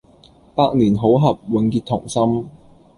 百年好合、永結同心